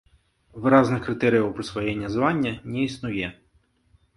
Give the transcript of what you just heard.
Выразных крытэрыяў прысваення звання не існуе.